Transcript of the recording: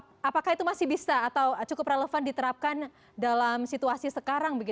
di mana mobilitas masyarakat itu masih bisa atau cukup relevan diterapkan dalam situasi sekarang